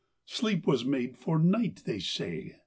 Sleep was made for night, they say.